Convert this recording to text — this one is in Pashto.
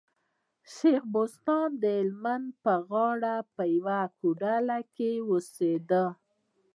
شېخ بستان د هلمند په غاړه په يوه کوډله کي اوسېدئ.